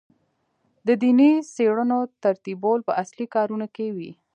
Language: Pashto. د دیني څېړنو ترتیبول په اصلي کارونو کې وي.